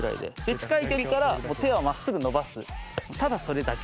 近い距離から手は真っすぐ伸ばすただそれだけ。